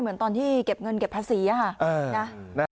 เหมือนตอนที่เก็บเงินเก็บภาษีค่ะ